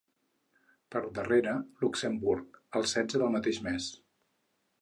Per darrere, Luxemburg, el setze del mateix mes.